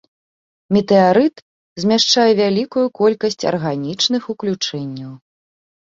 Метэарыт змяшчае вялікую колькасць арганічных уключэнняў.